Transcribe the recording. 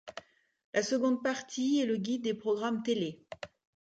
La seconde partie est le guide des programmes télé.